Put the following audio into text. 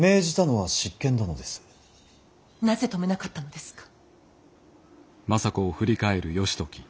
なぜ止めなかったのですか。